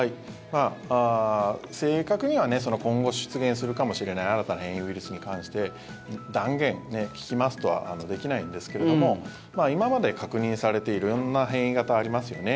正確には今後出現するかもしれない新たな変異ウイルスに関して断言効きますとはできないんですけれども今まで確認されている色んな変異型ありますよね。